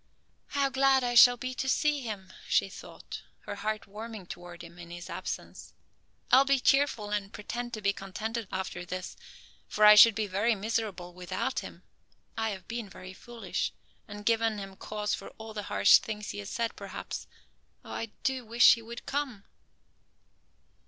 "How glad I shall be to see him," she thought, her heart warming toward him in his absence. "I'll be cheerful and pretend to be contented after this, for I should be very miserable without him. I have been very foolish, and given him cause for all the harsh things he has said, perhaps. Oh, I do wish he would come."